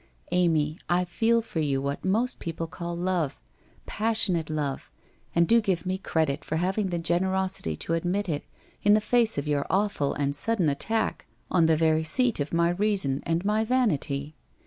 Amy, I feel for you what most people call love, passionate love, and do give me credit for hav ing the generosity to admit it, in the face of your awful and sudden attack on the very seat of my reason and my vanity.